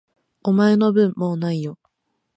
お前の分、もう無いよ。